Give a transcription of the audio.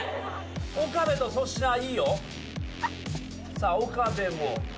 さあ岡部も。